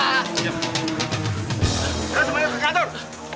tidak teman teman ke kantor